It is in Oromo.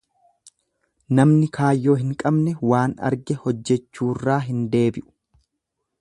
Namni kaayyoo hin qabne waan arge hojjechuurraa hin deebi'u.